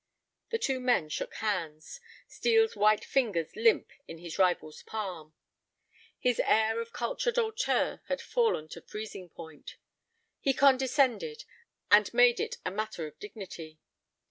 The two men shook hands, Steel's white fingers limp in his rival's palm. His air of cultured hauteur had fallen to freezing point. He condescended, and made it a matter of dignity.